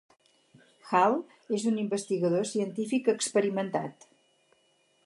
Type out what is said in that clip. Hal, és un investigador científic experimentat.